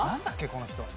この人。